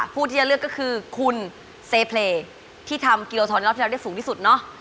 ผู้ที่จะเลือกก็คือคุณเซเพลย์ที่ทำกิโลทอนรอบที่แล้วได้สูงที่สุดเนาะ